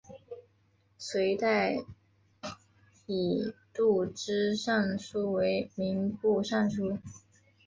隋代以度支尚书为民部尚书。